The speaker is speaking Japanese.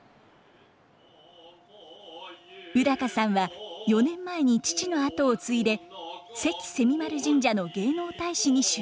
宇さんは４年前に父の跡を継いで関蝉丸神社の芸能大使に就任。